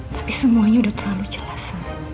tapi semuanya udah terlalu jelas